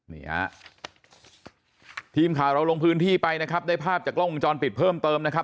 นี่ฮะทีมข่าวเราลงพื้นที่ไปนะครับได้ภาพจากกล้องวงจรปิดเพิ่มเติมนะครับ